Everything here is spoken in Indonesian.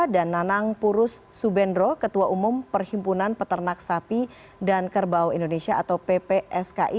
dan nanang purus subendro ketua umum perhimpunan peternak sapi dan kerbau indonesia atau ppski